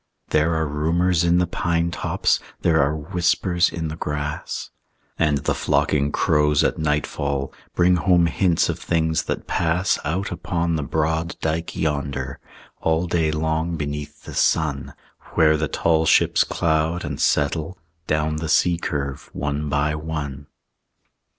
There are rumors in the pine tops, There are whispers in the grass; And the flocking crows at nightfall Bring home hints of things that pass Out upon the broad dike yonder, All day long beneath the sun, Where the tall ships cloud and settle Down the sea curve, one by one.